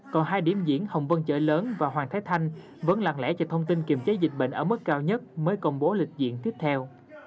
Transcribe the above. còn hai điểm diễn hồng vân chở lớn và hoàng thái thanh vẫn lặng lẽ cho thông tin kiểm trái dịch bệnh ở mức cao nhất mới công bố lịch diễn tiếp theo